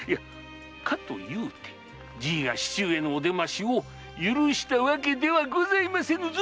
かというてじいが市中へのお出ましを許したわけではございませぬぞ！